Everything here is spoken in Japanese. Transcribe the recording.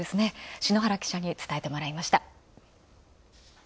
篠原記者につたえてもらいました。